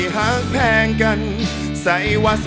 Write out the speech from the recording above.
ขอบคุณมาก